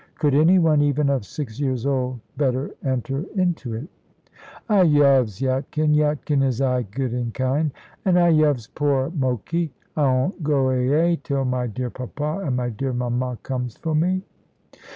Could any one, even of six years old, better enter into it? "I yoves Yatkin. Yatkin is aye good and kind. And I yoves poor Moky. I 'ont go ayay till my dear papa and my dear mamma comes for me."